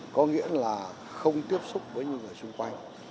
có nghĩa là không tiếp xúc với những người xung quanh